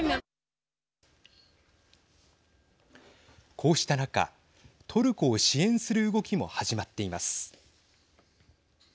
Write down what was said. こうした中、トルコを支援する動きも始まっています。